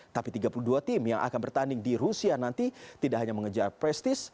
tapi tiga puluh dua tim yang akan bertanding di rusia nanti tidak hanya mengejar prestis